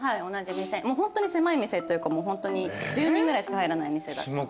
もうホントに狭い店というかもうホントに１０人ぐらいしか入らない店だった。